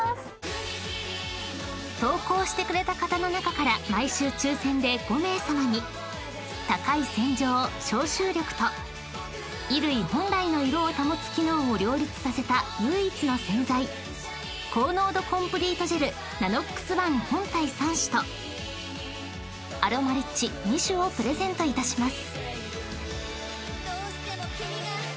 ［投稿してくれた方の中から毎週抽選で５名さまに高い洗浄消臭力と衣類本来の色を保つ機能を両立させた唯一の洗剤高濃度コンプリートジェルＮＡＮＯＸｏｎｅ本体３種とアロマリッチ２種をプレゼントいたします］